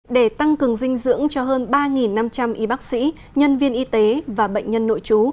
để tăng cường dinh dưỡng cho hơn ba năm trăm linh y bác sĩ nhân viên y tế và bệnh nhân nội trú